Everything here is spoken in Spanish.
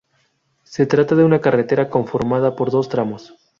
Se trata de una carretera conformada por dos tramos.